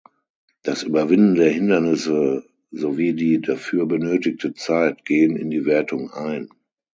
Das Überwinden der Hindernisse sowie die dafür benötigte Zeit gehen in die Wertung ein.